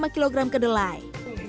dua puluh lima kg kedelai